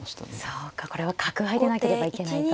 そうかこれは角合いでなければいけないと。